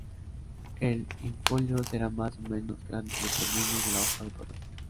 El in-folio será más o menos grande dependiendo de la hoja de papel.